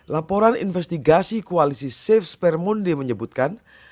laporan investigasi koalisi safe spermoonde menyebutkan